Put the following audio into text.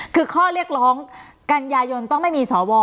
คือข้อเรียกร้องกันยายนต้องไม่มีสว